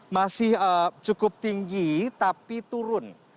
masih cukup tinggi tapi turun